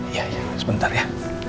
iya iya sebentar ya